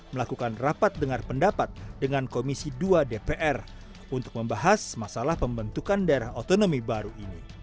melakukan rapat dengar pendapat dengan komisi dua dpr untuk membahas masalah pembentukan daerah otonomi baru ini